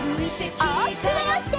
おおきくまわして。